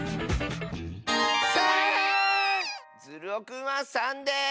３！ズルオくんは３です！